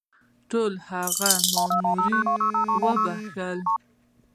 ټول هغه مامورین وبخښل.